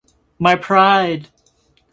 My Pride!